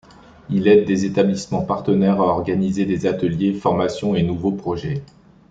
Il aide des établissements partenaires à organiser des ateliers, formations et nouveaux projets.